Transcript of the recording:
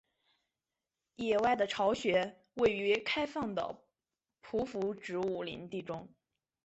野外的巢穴位于开放的匍匐植物林地中。